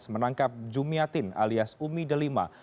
menangkap jumiatin alias umi delima